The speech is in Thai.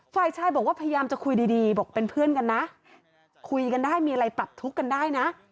ฝ่ายชายบอกว่าพยายามจะคุยดีบอกเป็นเพื่อนกันนะคุยกันได้มีอะไรปรับทุกข์กันได้นะ